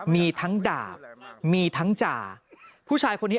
มีทั้งดาบมีทั้งจ่าผู้ชายคนนี้